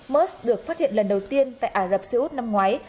mers được phát hiện lần đầu tiên tại ả rập xê út năm ngoái